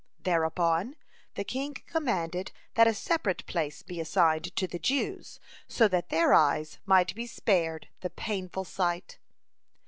Thereupon the king commanded that a separate place be assigned to the Jews, so that their eyes might be spared the painful sight.